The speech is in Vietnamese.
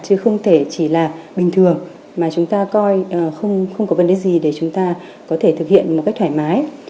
chứ không thể chỉ là bình thường mà chúng ta coi không có vấn đề gì để chúng ta có thể thực hiện một cách thoải mái